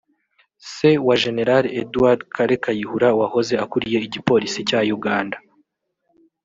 se wa Gen Edward Kale Kayihura wahoze akuriye Igipolisi cya Uganda